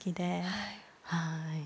はい。